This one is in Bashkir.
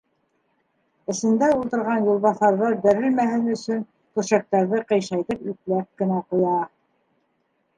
Эсендә ултырған юлбаҫарҙар бәрелмәһен өсөн, көршәктәрҙе ҡыйшайтып ипләп кенә ҡуя.